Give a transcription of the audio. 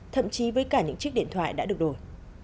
thậm chí với cả những chiếc điện thoại đã được đổi